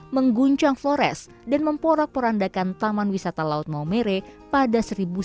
mengguncang flores dan memporak porandakan taman wisata laut maumere pada seribu sembilan ratus sembilan puluh